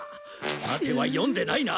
さては読んでないな？